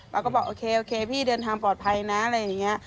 เราก็บอกโอเคโอเคพี่เดินทางปลอดภัยนะอะไรอย่างนี้